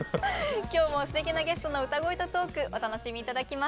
今日もすてきなゲストの歌声とトークお楽しみ頂きます。